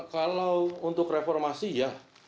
kalau untuk reformasi ya